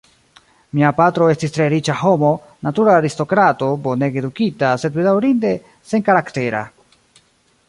Mia patro estis tre riĉa homo, natura aristokrato, bonege edukita, sed bedaŭrinde senkaraktera.